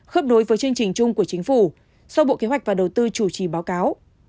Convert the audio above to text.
khớp đối với chương trình chung của chính phủ do bộ kế hoạch và đầu tư chủ trì báo cáo